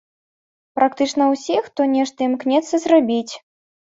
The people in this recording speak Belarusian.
Практычна ўсіх, хто нешта імкнецца зрабіць.